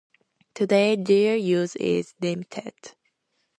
Today, their use is limited.